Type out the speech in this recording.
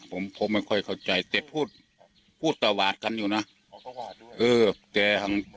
ผมผมไม่ค่อยเข้าใจแต่พูดพูดตวาดกันอยู่นะอ๋อตวาดด้วยเออแต่ทาง